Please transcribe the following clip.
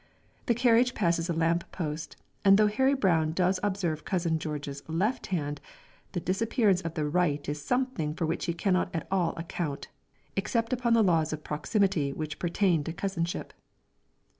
The carriage passes a lamp post, and though Harry Brown does observe Cousin George's left hand, the disappearance of the right is something for which he cannot at all account, except upon the laws of proximity which pertain to cousinship.